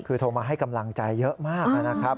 คือโทรมาให้กำลังใจเยอะมากนะครับ